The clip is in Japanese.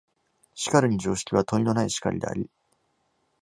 しかるに常識は問いのない然りであり、